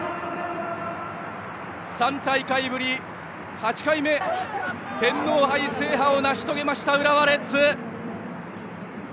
３大会ぶり８回目天皇杯制覇を成し遂げました浦和レッズ！